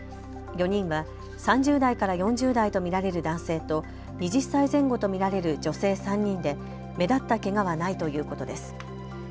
４人は３０代から４０代と見られる男性と２０歳前後と見られる女性３人で目立ったけがはないということです。